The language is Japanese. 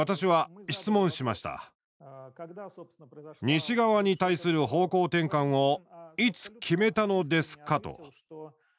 「西側に対する方向転換をいつ決めたのですか？」と。